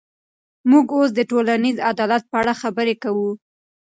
موږ اوس د ټولنیز عدالت په اړه خبرې کوو.